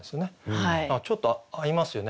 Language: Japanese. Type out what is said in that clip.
ちょっと合いますよね